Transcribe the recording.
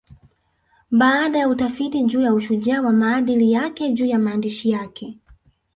Baada ya utafiti juu ya ushujaa wa maadili yake juu ya maandishi yake